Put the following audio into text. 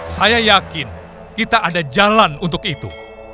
saya yakin kita ada jalan untuk itu